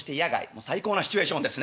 もう最高なシチュエーションですね。